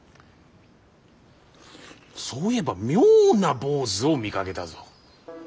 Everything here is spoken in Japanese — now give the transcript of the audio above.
そういえば妙な坊主を見かけたぞ。